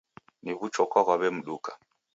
Ni w'uchokwa ghwaw'emduka.